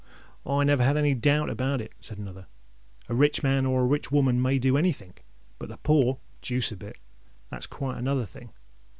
"I never had any doubt about it," said another. "A rich man or a rich woman may do anythink; but the poor—deuce a bit! That's quite another thing.